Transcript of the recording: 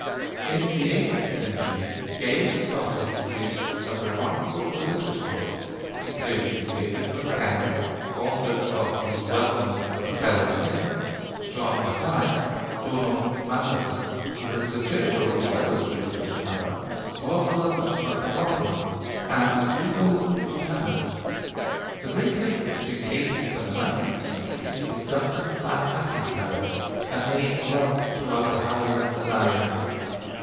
In the eighteenth century, Gaelic Scotland produced some remarkable religious poets, including David MacKellar, author of the well known 'MacKellar's Hymn'; John Mackay; Donal Matheson, who had satirical as well as religious power; Lauchlan Maclauchlan; and Dugald Buchanan. The great link between the eighteenth and the nineteenth centuries is Duncan Ban Macintyre, "a name loved throughout the Highlands and Islands."